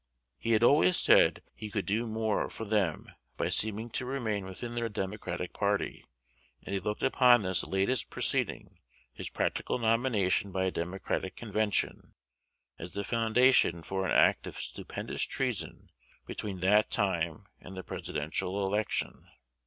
He had always said he could do more for them by seeming to remain within the Democratic party; and they looked upon this latest proceeding his practical nomination by a Democratic convention as the foundation for an act of stupendous treason between that time and the Presidential election.